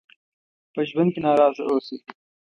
په ژوند کې ناراضه اوسئ.